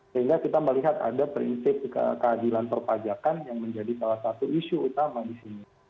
sehingga kita melihat ada prinsip keadilan perpajakan yang menjadi salah satu isu utama di sini